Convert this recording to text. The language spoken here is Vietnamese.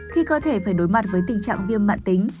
khi cơ thể phải đối mặt với tình trạng viêm mạng tính